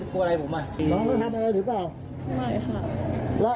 น้องเขาทำอะไรหรือเปล่า